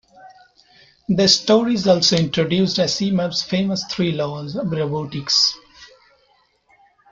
The stories also introduced Asimov's famous Three Laws of Robotics.